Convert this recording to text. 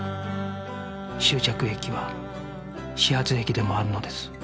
終着駅は始発駅でもあるのです